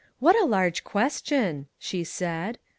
" What a large ques tion !" she said.